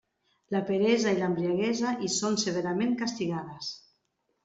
La peresa i l'embriaguesa hi són severament castigades.